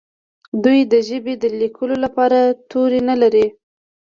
دوی د ژبې د لیکلو لپاره توري نه لري.